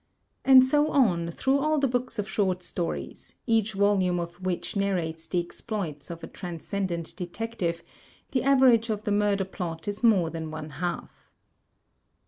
And so on, through all the books of short stories, each volume of which narrates the exploits of a Transcendent Detective, the average of the murder plot is more than one half.